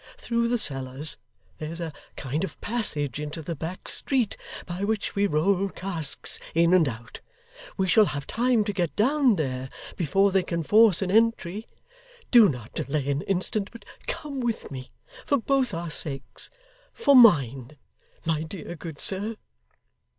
Through the cellars, there's a kind of passage into the back street by which we roll casks in and out. We shall have time to get down there before they can force an entry. Do not delay an instant, but come with me for both our sakes for mine my dear good sir!